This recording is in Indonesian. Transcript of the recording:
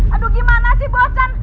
aduh gimana sih bosan